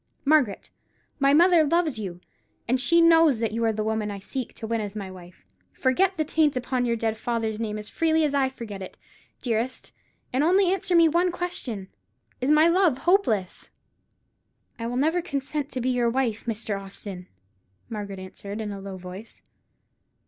Margaret, my mother loves you; and she knows that you are the woman I seek to win as my wife. Forget the taint upon your dead father's name as freely as I forget it, dearest; and only answer me one question: Is my love hopeless?" "I will never consent to be your wife, Mr. Austin!" Margaret answered, in a low voice.